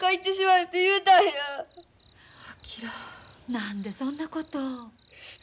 何でそんなことを。